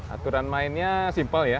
aturan mainnya simple ya